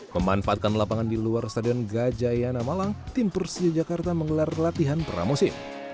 memanfaatkan lapangan di luar stadion gajah yana malang tim persija jakarta menggelar latihan pramosi